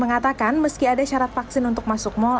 beritakan meski ada syarat vaksin untuk masuk mall